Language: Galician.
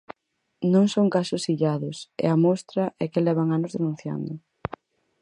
Non son casos illados, e a mostra é que levan anos denunciando.